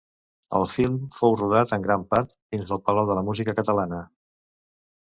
El film fou rodat en gran part dins el Palau de la Música Catalana.